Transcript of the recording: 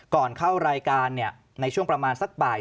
ก่อนเข้ารายการในช่วงประมาณสักบ่าย